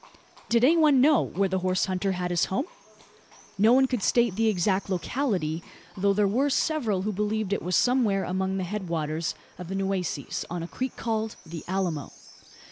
Did any one know where the horse hunter had his home? No one could state the exact locality; though there were several who believed it was somewhere among the head waters of the Nueces, on a creek called the "Alamo."